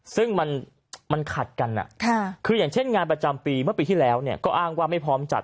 ซึ่งมันขัดกันคืออย่างเช่นงานประจำปีเมื่อปีที่แล้วก็อ้างว่าไม่พร้อมจัด